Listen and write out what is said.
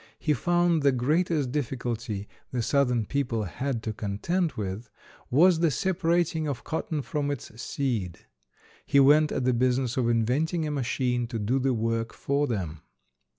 He found the greatest difficulty the southern people had to contend with was the separating of cotton from its seed. He went at the business of inventing a machine to do the work for them.